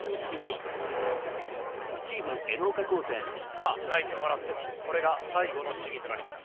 さあ泣いても笑ってもこれが最後の試技となります。